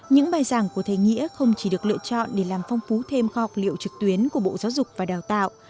những bài giảng của thầy nghĩa không chỉ được lựa chọn để làm phong phú thêm kho học liệu trực tuyến của bộ giáo dục và đào tạo